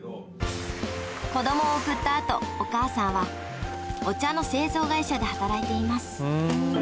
子供を送った後お母さんはお茶の製造会社で働いています